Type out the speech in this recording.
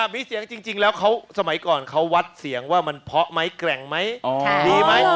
มีเสียงจริงแล้วเขาสมัยก่อนเขาวัดเสียงว่ามันเพาะไหมแกร่งไหมดีไหม